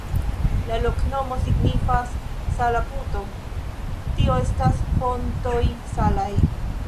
La loknomo signifas sala-puto, tio estas fontoj salaj.